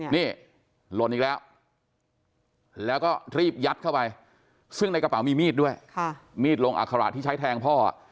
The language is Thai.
นี่หล่นอีกแล้วแล้วก็รีบยัดเข้าไปซึ่งในกระเป๋ามีมีดด้วยมีดลงอัคระที่ใช้แทงพ่อ